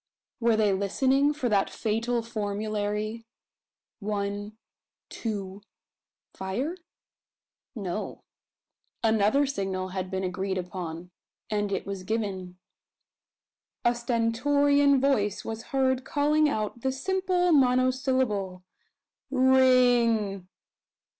Were they listening for that fatal formulary: One two fire? No. Another signal had been agreed upon; and it was given. A stentorian voice was heard calling out the simple monosyllable "Ring!"